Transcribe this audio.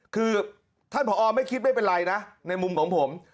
คือท่านผอไม่คิดไม่เป็นไรนะในมุมของผม